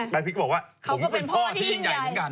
พริกก็บอกว่าผมก็เป็นพ่อที่ยิ่งใหญ่เหมือนกัน